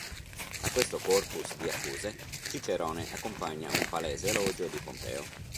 A questo corpus di accuse, Cicerone accompagna un palese elogio di Pompeo.